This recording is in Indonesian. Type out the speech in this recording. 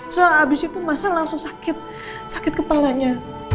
so abis itu masa langsung sakit sakit kepalanya